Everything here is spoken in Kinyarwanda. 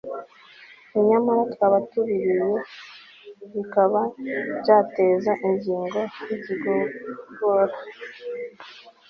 nyamara twaba tubiriye bikaba byateza ingingo zigogora